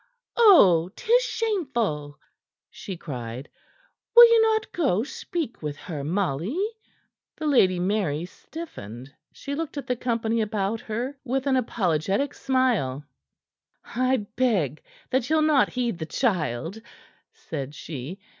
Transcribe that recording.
"Oh, 'tis shameful!" she cried. "Will you not go speak with her, Molly?" The Lady Mary stiffened. She looked at the company about her with an apologetic smile. "I beg that ye'll not heed the child," said she.